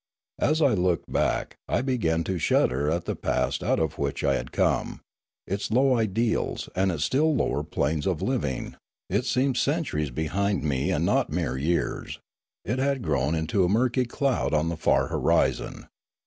As I looked back I began to shudder at the past out of which I had come, its low ideals, and its still lower planes of living; it seemed Journey to the Valley of Memories 53 centuries behind me and not mere years; it had grown into a murky cloud on the far horizon.